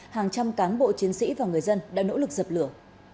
hàng trăm cán bộ chiến sĩ và người dân đã nỗ lực dập lửa